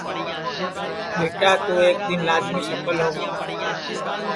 ٻیٹا توں ایک دؔن لاجمی سپھل ہوں گا